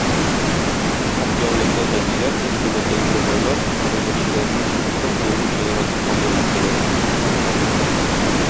Ак яулыклы әбиләр һәм түбәтәйле бабайлар мөнәҗәтчеләрнең чыгышын аеруча яратып кабул иттеләр.